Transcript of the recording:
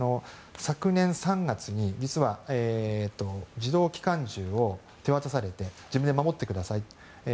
昨年３月に自動機関銃を手渡されて自分で守ってください